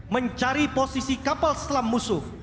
mencari posisi kapal selam musuh